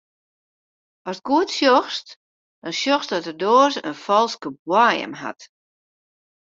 Ast goed sjochst, dan sjochst dat de doaze in falske boaiem hat.